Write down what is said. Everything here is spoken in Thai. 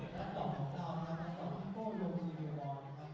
ขอบคุณค่ะ